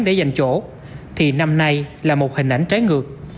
để giành chỗ thì năm nay là một hình ảnh trái ngược